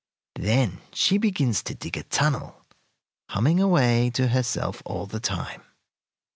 Then she begins to dig a tunnel, humming away to herself all the time.